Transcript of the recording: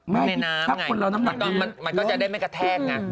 ไม่ในน้ำไงมันก็จะได้ไม่กระแทกนะ